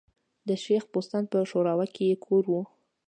د شېخ بستان په ښوراوک کي ئې کور ؤ.